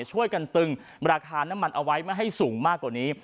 ช่วยกันตึงราคาน้ำมันเอาไว้ไม่ให้สูงมากกว่านี้